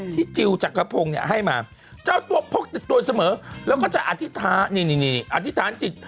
ที่จิลจักรพงศ์ให้มาเจ้าตัวพกตัวเสมอแล้วก็จะอธิษฐานิยมอธิษฐานจิต